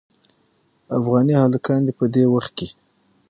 افغاني هلکان دې په دې وخت کې.